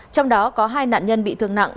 trong đó có hai nạn nhân bị thương nặng